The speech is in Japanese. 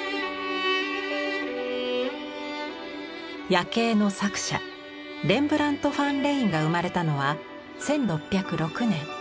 「夜警」の作者レンブラント・ファン・レインが生まれたのは１６０６年。